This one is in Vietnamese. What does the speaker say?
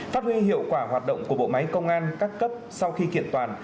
phát huy hiệu quả hoạt động của bộ máy công an các cấp sau khi kiện toàn